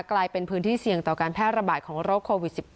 กลายเป็นพื้นที่เสี่ยงต่อการแพร่ระบาดของโรคโควิด๑๙